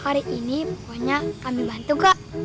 hari ini pokoknya kami bantu kak